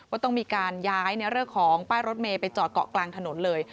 ต้องมีการย้ายเรื่องของป้ายรถเมย์ไปจอดเกาะกลางถนนเลย